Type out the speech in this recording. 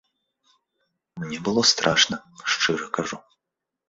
Мне было страшна, шчыра кажу.